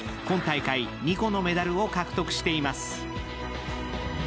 今大会２個のメダルを獲得しています。